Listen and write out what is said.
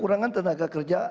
kurangan tenaga kerja